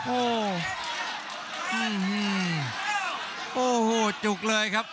โอ้ฮือฮือโอ้โหจุกเลยครับ